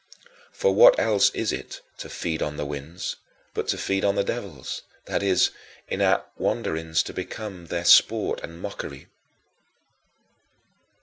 For what else is it "to feed on the winds" but to feed on the devils, that is, in our wanderings to become their sport and mockery?